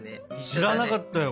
知らなかったよ。